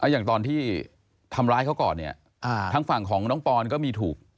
อย่างตอนที่ทำร้ายเขาก่อนเนี่ยทางฝั่งของน้องปอนก็มีถูก